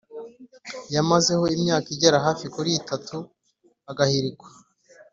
yamazeho imyaka igera hafi kuri itatu agahirikwa